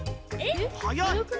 はやい！